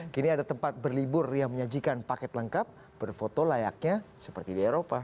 kini ada tempat berlibur yang menyajikan paket lengkap berfoto layaknya seperti di eropa